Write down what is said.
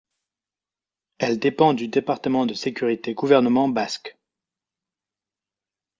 Elle dépend du Département de Sécurité Gouvernement basque.